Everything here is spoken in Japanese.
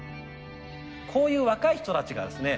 こういう若い人たちがですね